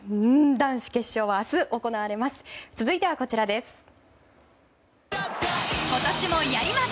男子決勝は明日、行われます。